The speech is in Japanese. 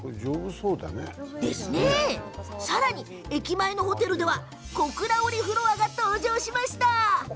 さらに、駅前のホテルでは小倉織フロアが登場しました。